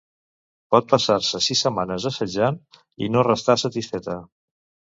Pot passar-se sis setmanes assajant i no restar satisfeta.